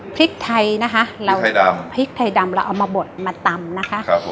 ผลิกทายนะคะผลิกทายดำเราเอามะบดมาตำนะคะ